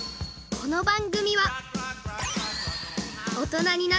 ［この番組は］